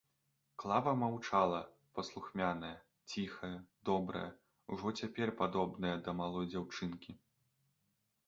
Клава маўчала, паслухмяная, ціхая, добрая, ужо цяпер падобная да малой дзяўчынкі.